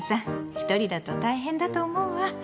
一人だと大変だと思うわ。